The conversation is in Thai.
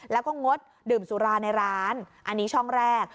แล้วก็งดดื่มสุราในร้านอันนี้ช่องแรก